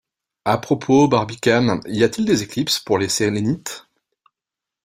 À propos, Barbicane, y a-t-il des éclipses pour les Sélénites?